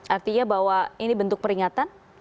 artinya bahwa ini bentuk peringatan